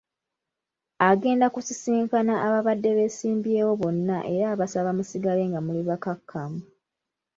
Agenda kusisinkana abaabadde beesimbyewo bonna era abasaba musigale nga muli bakkakkamu.